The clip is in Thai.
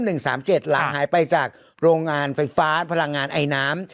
หลังหายไปจากโรงงานไฟฟ้าพลังงานไอน้ำ